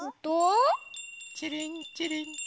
ちりんちりん。